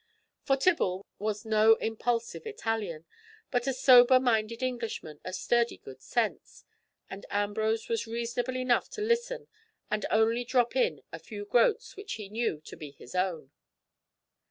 For Tibble was no impulsive Italian, but a sober minded Englishman of sturdy good sense, and Ambrose was reasonable enough to listen and only drop in a few groats which he knew to be his own.